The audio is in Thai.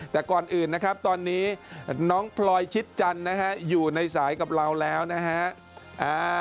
แต่ก่อนอื่นนะครับตอนนี้น้องพลอยชิดจันทร์นะฮะอยู่ในสายกับเราแล้วนะฮะ